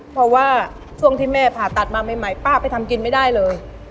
เพราะว่าช่วงที่แม่ผ่าตัดมาใหม่ป้าไปทำกินไม่ได้เลย